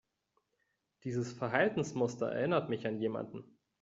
Dieses Verhaltensmuster erinnert mich an jemanden.